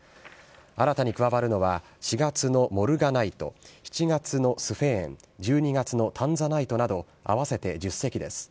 新たに加わるのは、４月のモルガナイト、７月のスフェーン、１２月のタンザナイトなど、合わせて１０石です。